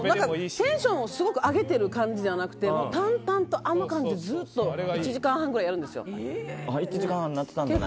テンションをすごく上げてる感じではなくて淡々とあの感じでずっと１時間半ぐらいやるんですよ。